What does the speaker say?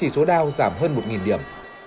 số dow giảm hơn một điểm